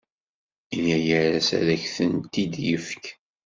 Ini-as ad ak-tent-id-yefk.